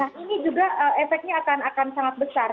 nah ini juga efeknya akan sangat besar